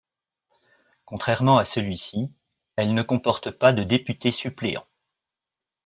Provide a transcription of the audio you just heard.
Contrairement à celui-ci, elle ne comporte pas de députés-suppléants.